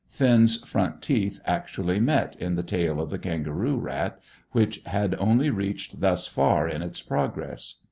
Finn's front teeth actually met in the tail of the kangaroo rat, which had only reached thus far in its progress.